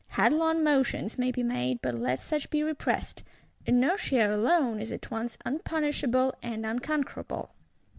Headlong motions may be made, but let such be repressed; inertia alone is at once unpunishable and unconquerable.